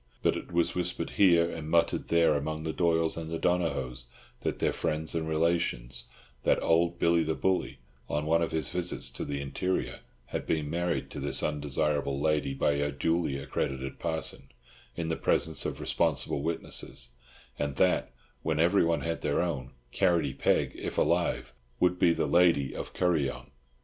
But it was whispered here and muttered there among the Doyles and the Donohoes and their friends and relations, that old Billy the Bully, on one of his visits to the interior, had been married to this undesirable lady by a duly accredited parson, in the presence of responsible witnesses; and that, when everyone had their own, Carrotty Peg, if alive, would be the lady of Kuryong.